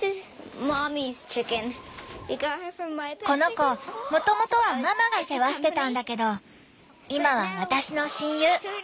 この子もともとはママが世話してたんだけど今は私の親友。